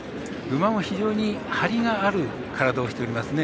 馬も非常にハリがある体をしておりますね。